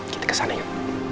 kita kesana yuk